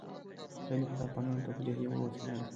تاریخ د افغانانو د تفریح یوه وسیله ده.